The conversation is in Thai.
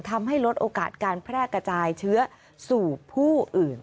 ทำให้ลดโอกาสการแพร่กระจายเชื้อสู่ผู้อื่น